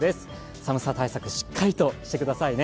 寒さ対策、しっかりとしてくださいね。